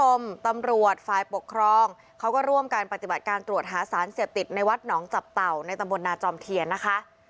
ตำรวจฝ่ายปกครองเขาก็ร่วมการปฏิบัติการตรวจหาสารเสพติดในวัดหนองจับเต่าในตำบลนาจอมเทียนนะคะ